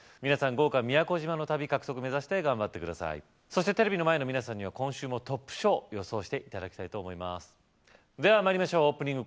豪華宮古島の旅獲得目指して頑張って下さいそしてテレビの前の皆さんには今週もトップ賞を予想して頂きたいと思いますでは参りましょうオープニング